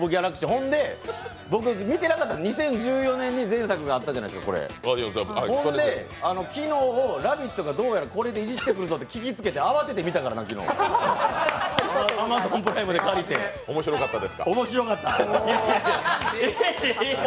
ほんで、僕、見てなかった２０１４年に前作があったじゃないですか、ほんで昨日「ラヴィット！」がどうやらこれでいじってくるぞって分かって慌てて見たからなアマゾンプライムで見て、借りて、面白かった。